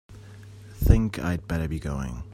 Think I'd better be going.